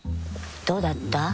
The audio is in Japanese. どうだった？